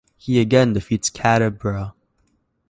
He again defeats Kadabra.